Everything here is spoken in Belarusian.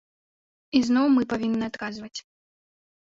І зноў мы павінны адказваць.